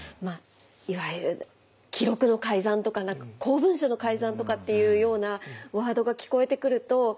いわゆる記録の改ざんとか公文書の改ざんとかっていうようなワードが聞こえてくると。